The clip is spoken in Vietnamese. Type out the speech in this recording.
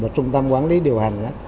và trung tâm quản lý điều hành